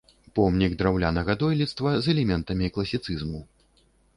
Помнік драўлянага дойлідства з элементамі класіцызму.